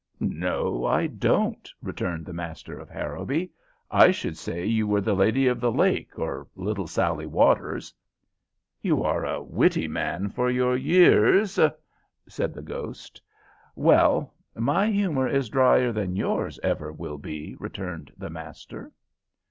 "No, I don't," returned the master of Harrowby. "I should say you were the Lady of the Lake, or Little Sallie Waters." "You are a witty man for your years," said the ghost. "Well, my humor is drier than yours ever will be," returned the master.